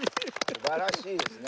素晴らしいですね。